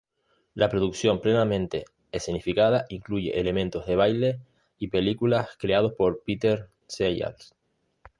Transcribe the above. La producción plenamente escenificada incluye elementos de baile y película creados por Peter Sellars.